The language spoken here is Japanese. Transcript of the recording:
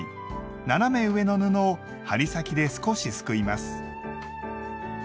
斜め上の布を針先で少しすくいます。